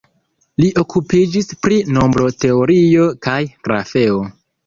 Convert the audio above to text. Li okupiĝis pri nombroteorio kaj grafeo.